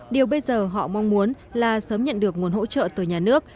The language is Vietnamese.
điều bây giờ họ mong muốn là sớm nhận được nguồn hỗ trợ từ nhà nước